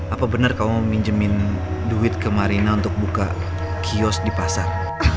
apa benar kamu minjemin duit ke marina untuk buka kios di pasar